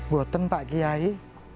boten pak giai